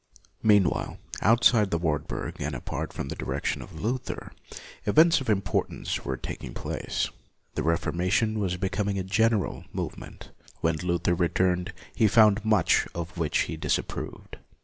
Meanwhile, outside the Wartburg, and apart from the direction of Luther, events of importance were taking place. The Reformation was becoming a general movement. When Luther returned, he found much of which he disapproved.